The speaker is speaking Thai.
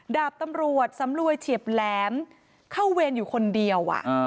ดาบตำรวจสำรวยเฉียบแหลมเข้าเวรอยู่คนเดียว